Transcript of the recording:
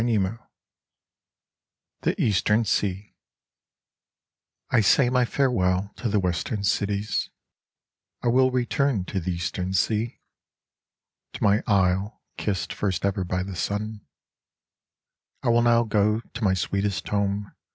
112 THE EASTERN SEA I say my farewell to the Western cities ; I will return to the Eastern Sea, — To my isle kissed first ever by the sun, — I will now go to my sweetest home.